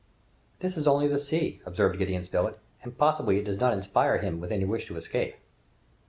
"This is only the sea," observed Gideon Spilett, "and possibly it does not inspire him with any wish to escape!"